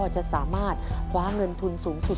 จะสามารถคว้าเงินทุนสูงสุด